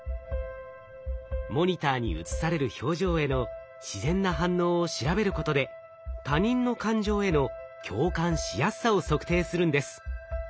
モニターに映される表情への自然な反応を調べることで他人の感情への共感しやすさを測定するんです。